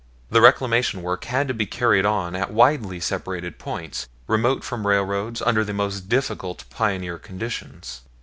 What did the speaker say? The Reclamation work had to be carried on at widely separated points, remote from railroads, under the most difficult pioneer conditions.